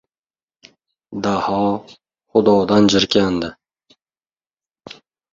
Daho... xudodan jirkandi!